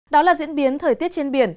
đó là diễn biến thời tiết trên biển